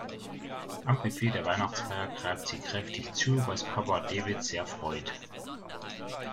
Am Buffet der Weihnachtsfeier greift sie kräftig zu, was Papa David sehr freut.